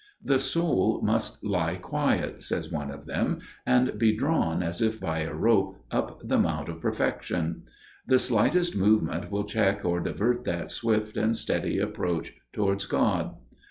The soul must lie still, says one of them, and be drawn as if by a rope up the Mount of Perfection. The slightest movement will check or divert that swift and steady approach towards God.